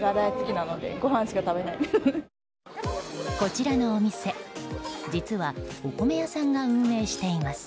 こちらのお店実はお米屋さんが運営しています。